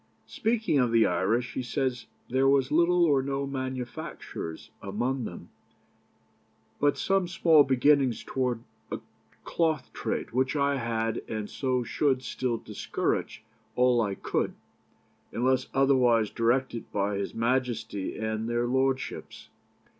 Speaking of the Irish he says, 'There was little or no manufactures amongst them, but some small beginnings towards a cloth trade, which I had and so should still discourage all I could, unless otherwise directed by His Majesty and their Lordships.